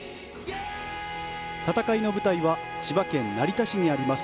戦いの舞台は千葉県成田市にあります